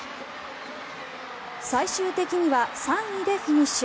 最終的には３位でフィニッシュ。